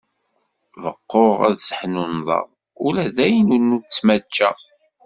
Beqquɣ ad seḥnunḍeɣ ula dayen ur nettmačča.